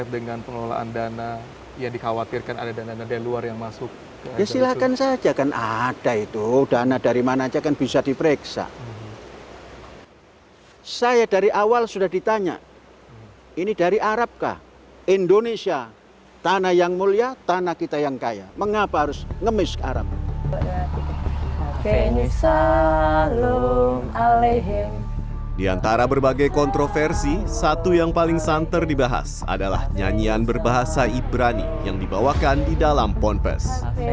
di antara berbagai kontroversi satu yang paling santer dibahas adalah nyanyian berbahasa ibrani yang dibawakan di dalam ponpes